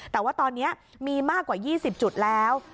แต่ว่าตอนนี้มีมากกว่า๒๐จุดแล้ว